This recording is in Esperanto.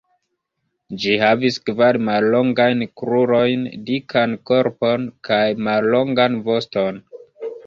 Ĝi havis kvar mallongajn krurojn, dikan korpon, kaj mallongan voston.